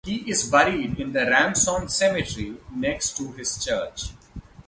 He is buried in the Ramshorn Cemetery next to his church.